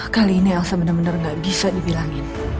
kali ini elsa bener bener gak bisa dibilangin